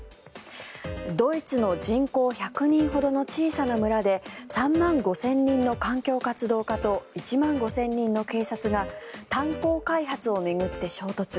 ドイツの人口１００人ほどの小さな村で３万５０００人の環境活動家と１万５０００人の警察が炭鉱開発を巡って衝突。